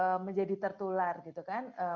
untuk kita menjadi tertular gitu kan